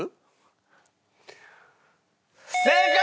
正解！